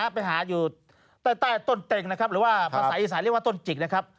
ไปหาอยู่ใต้ต้นเต็งนะครับหรือว่าภาษาอีสานเรียกว่าต้นจิกนะครับ